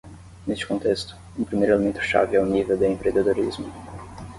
Neste contexto, um primeiro elemento chave é o nível de empreendedorismo.